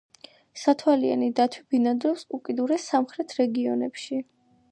სათვალიანი დათვი ბინადრობს უკიდურეს სამხრეთ რეგიონებში.